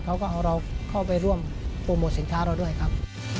เขาก็เอาเราเข้าไปร่วมโปรโมทสินค้าเราด้วยครับ